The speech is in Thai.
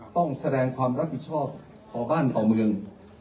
ต้องแสดงความรับผิดชอบต่อบ้านต่อเมือง